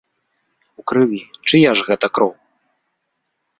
У крыві, чыя ж гэта кроў?